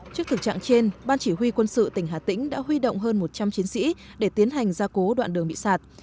trước thực trạng trên ban chỉ huy quân sự tỉnh hà tĩnh đã huy động hơn một trăm linh chiến sĩ để tiến hành gia cố đoạn đường bị sạt